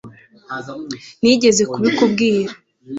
Nigeze kubikubwira